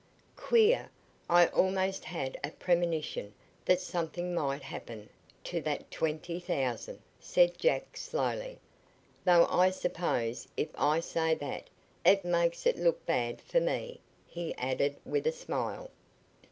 "Queer, I almost had a premonition that something might happen to that twenty thousand," said Jack slowly. "Though I suppose if I say that it makes it look bad for me," he added with a smile.